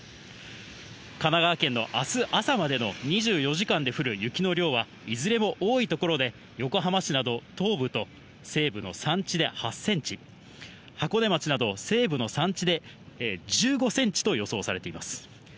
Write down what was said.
神奈川県のあす朝までの２４時間で降る雪の量は、いずれも多い所で横浜市など東部と西部の平地で８センチ、箱根町など西部の山地で１５センチと予想されています。